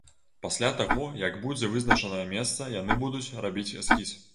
Пасля таго, як будзе вызначанае месца, яны будуць рабіць эскіз.